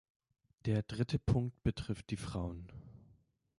Der dritte Punkt betrifft die Frauen.